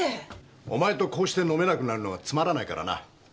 お前とこうして飲めなくなるのはつまらないからな。